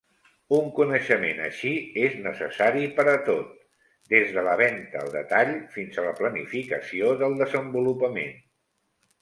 Un coneixement així és necessari per a tot, des de la venta al detall fins a la planificació del desenvolupament.